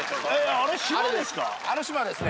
あの島はですね